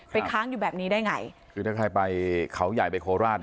ค้างอยู่แบบนี้ได้ไงคือถ้าใครไปเขาใหญ่ไปโคราช